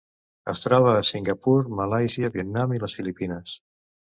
Es troba a Singapur, Malàisia, Vietnam i les Filipines.